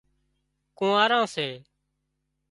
ڪونهاران سي